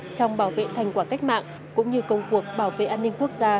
trong bảo vệ thành quả cách mạng cũng như công cuộc bảo vệ an ninh quốc gia